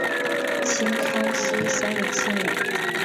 清康熙三十七年。